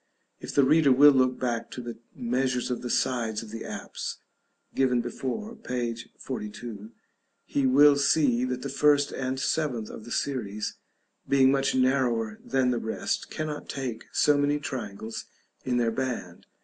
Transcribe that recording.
If the reader will look back to the measures of the sides of the apse, given before, p. 42, he will see that the first and seventh of the series, being much narrower than the rest, cannot take so many triangles in their band.